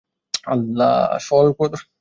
সে না দেবে ছুটি, না দেবে রস!